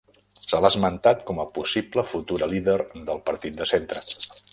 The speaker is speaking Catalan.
Se l'ha esmentat com a possible futura líder del Partit de Centre.